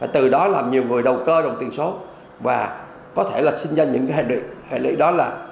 từ đó làm nhiều người đầu cơ đồng tiền số và có thể là sinh ra những hệ lực đó là